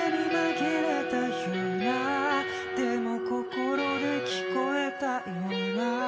「でも心で聞こえたような」